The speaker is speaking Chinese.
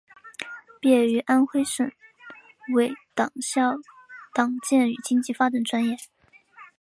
毕业于安徽省委党校党建与经济发展专业。